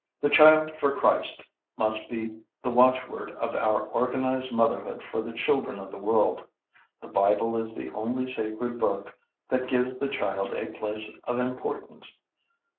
] "The Child for Christ" must be the watchword of our "organized motherhood for the children of the world." The Bible is the only sacred book that gives the child a place of importance.